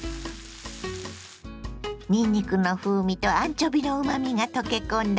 にんにくの風味とアンチョビのうまみが溶け込んだ